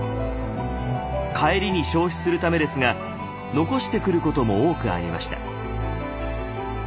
帰りに消費するためですが残してくることも多くありました。